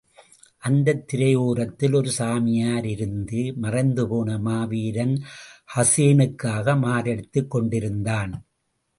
அந்தத் திரையோரத்திலே ஒரு சாமியார் இருந்து, மறைந்துபோன மாவீரன் ஹூசேனுக்காக மாரடித்துக் கொண்டிருந்தான்.